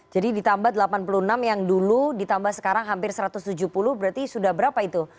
jadi ditambah delapan puluh enam yang dulu ditambah sekarang hampir satu ratus tujuh puluh berarti sudah berapa itu